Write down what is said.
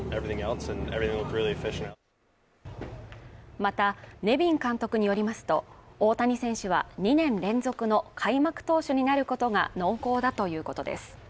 またネビン監督によりますと大谷選手は２年連続の開幕投手になることが濃厚だということです